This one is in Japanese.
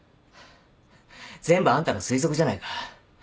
全部あんたの推測じゃないか。